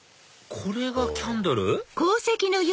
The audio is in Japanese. これがキャンドル？